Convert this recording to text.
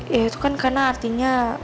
ya itu kan karena artinya